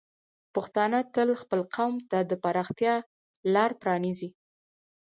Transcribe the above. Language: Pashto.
پښتانه تل خپل قوم ته د پراختیا لار پرانیزي.